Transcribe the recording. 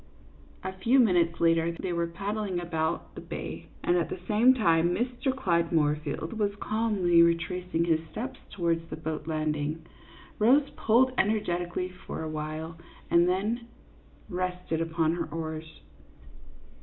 A few minutes later they were paddling about the bay; and at the same time Mr. Clyde Moorfield was calmly retracing his steps towards the boat landing. Rose pulled energetically for a while and then rested upon her oars.